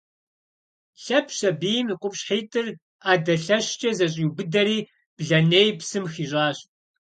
Лъэпщ сабийм и купкъыщхьитӏыр ӏэдэ лъэщкӏэ зэщӏиубыдэри блэней псым хищӏащ.